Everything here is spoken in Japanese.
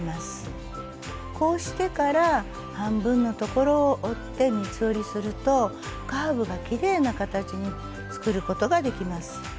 こうしてから半分の所を折って三つ折りするとカーブがきれいな形に作ることができます。